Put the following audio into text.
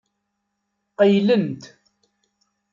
Qeyylent.